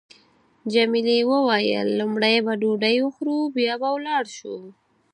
جميلې وويل: لومړی به ډوډۍ وخورو بیا به ولاړ شو.